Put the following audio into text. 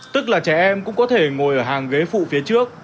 tức là trẻ em cũng có thể ngồi ở hàng ghế phụ phía trước